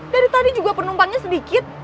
dari tadi juga penumpangnya sedikit